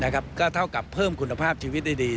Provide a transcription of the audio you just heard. ก็เท่ากับเพิ่มคุณภาพชีวิตได้ดี